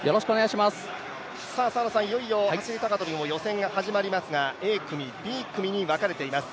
いよいよ走高跳も予選が始まりますがＡ組、Ｂ組に分かれています。